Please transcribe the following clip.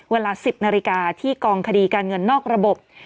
เวลา๑๐นาฬิกาที่กองคดีการเงินนอกระบบ